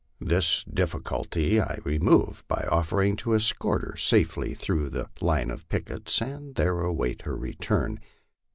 This difficulty I removed by offering to escort her safely through the line of pickets, and there await her return.